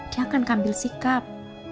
dia akan ambil sikap